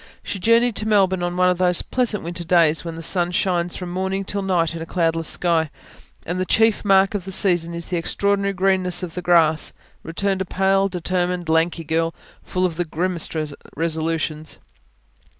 She journeyed to Melbourne on one of those pleasant winter days when the sun shines from morning till night in a cloudless sky, and the chief mark of the season is the extraordinary greenness of the grass; returned a pale, determined, lanky girl, full of the grimmest resolutions.